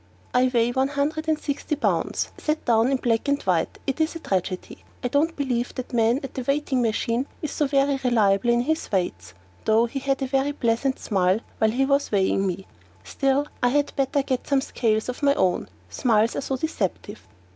I weigh one hundred and sixty pounds, set down in black and white, and it is a tragedy! I don't believe that man at the weighing machine is so very reliable in his weights, though he had a very pleasant smile while he was weighing me. Still, I had better get some scales of my own, smiles are so deceptive.